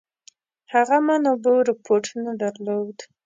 هغو منابعو رپوټ نه درلوده.